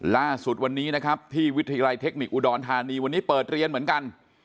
ล่าสุดวันนี้นะครับที่วิทยาลัยเทคนิคอุดรธานีวันนี้เปิดเรียนเหมือนกัน